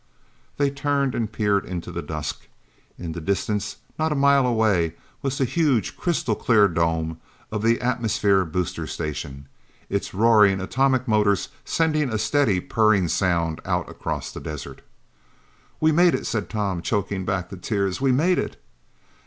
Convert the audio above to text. They turned and peered into the dusk. In the distance, not a mile away, was the huge crystal clear dome of the atmosphere booster station, its roaring atomic motors sending a steady purring sound out across the desert. "We made it," said Tom, choking back the tears. "We made it!"